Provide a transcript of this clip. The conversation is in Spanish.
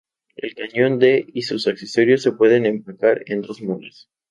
El cañón de y sus accesorios se pueden empacar en dos mulas.